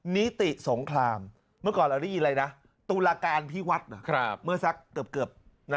นิติสงครามเมื่อก่อนเราได้ยินอะไรนะตุลาการพิวัฒน์เมื่อสักเกือบ